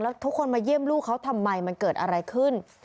แล้วทุกคนมาเยี่ยมลูกเขาทำไมมันเกิดอะไรขึ้น